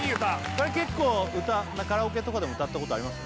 これ結構カラオケとかでも歌ったことあります？